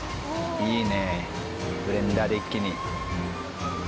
いいねブレンダーで一気に。